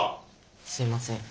すいません。